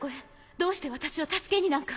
どうして私を助けになんか。